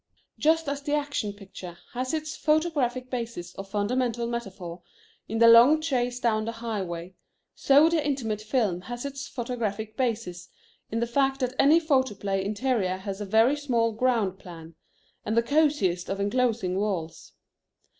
Just as the Action Picture has its photographic basis or fundamental metaphor in the long chase down the highway, so the Intimate Film has its photographic basis in the fact that any photoplay interior has a very small ground plan, and the cosiest of enclosing walls.